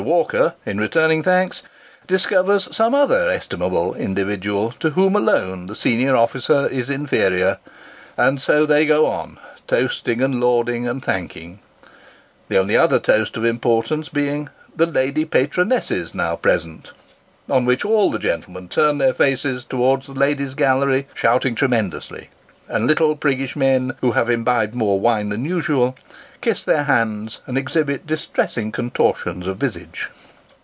Walker, in returning thanks, discovers some other estimable individual, to whom alone the senior officer is inferior and so they go on toasting and lauding and thanking : the only other toast of importance being " The Lady Patronesses now present !" on which all the gentlemen turn their faces towards th& ladies' gallery, shout ing tremendously ; and little priggish men, who have imbibed more Spring Recollections. 125 wine than usual, kiss their hands and exhibit distressing contortions of visage.